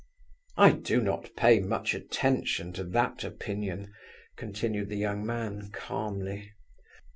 "I do not pay much attention to that opinion," continued the young man calmly.